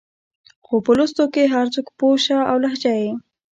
خو په لوستو کې هر څوک پوه شه او لهجه يې